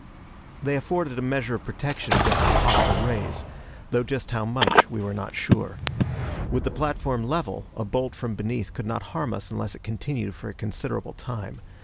They afforded a measure of protection against the hostile rays, though just how much we were not sure. With the platform level, a bolt from beneath could not harm us unless it continued for a considerable time.